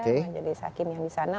majelis hakim yang disana